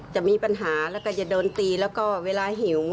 จะมีปัญหาแล้วก็จะโดนตีแล้วก็เวลาหิว